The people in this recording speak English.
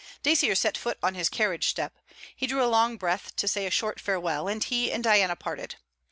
Dacier set foot on his carriage step. He drew a long breath to say a short farewell, and he and Diana parted.